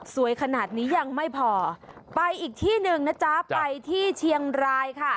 สวยขนาดนี้ยังไม่พอไปอีกที่หนึ่งนะจ๊ะไปที่เชียงรายค่ะ